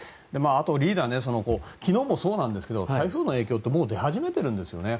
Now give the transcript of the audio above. あと、リーダー昨日もそうなんですがすでに台風の影響って出始めているんですね。